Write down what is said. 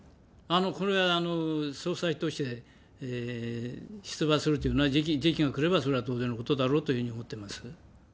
これは総裁として、出馬するというのは、時期が来れば、それは当然のことだろうというふうに思ってます。